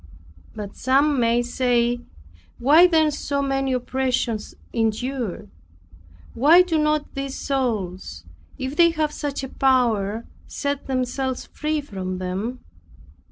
But some may say, Why then so many oppressions endured? Why do not these souls, if they have such a power, set themselves free from them?